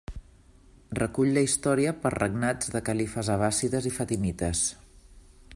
Recull la història per regnats de califes abbàssides i fatimites.